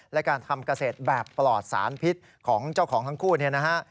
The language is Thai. และการทำเกษตรแบบปลอดสารพิษของเจ้าของทั้งคู่เนี่ยนะฮะ